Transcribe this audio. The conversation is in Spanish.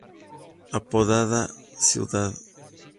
Apodaca, Cd.